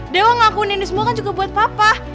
dewa ngakuin ini semua kan juga buat papa